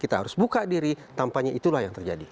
kita harus buka diri tampaknya itulah yang terjadi